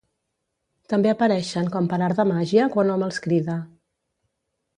També apareixen com per art de màgia quan hom els crida.